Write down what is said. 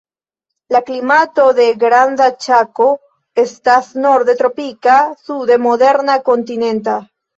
La klimato de Granda Ĉako estas norde tropika, sude modera kontinenta.